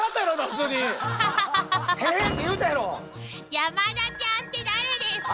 山田ちゃんって誰ですか？